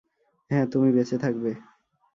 হ্যাঁ, তুমি বেঁচে থাকবে।